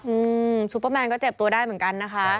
อืมซุปเปอร์แมนก็เจ็บตัวได้เหมือนกันนะคะ